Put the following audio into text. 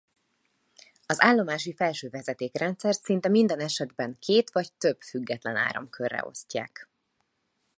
Az állomási felsővezeték-rendszert szinte minden esetben két vagy több független áramkörre osztják.